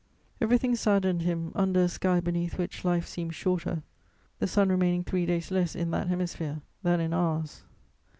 Everything saddened him under a sky beneath which life seemed shorter, the sun remaining three days less in that hemisphere than in ours.